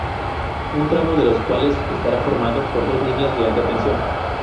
un tramo de los cuales estará formado por dos líneas de alta tensión